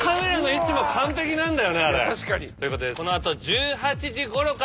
確かに。ということでこの後。